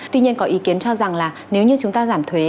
tuy nhiên có ý kiến cho rằng là nếu như chúng ta giảm thuế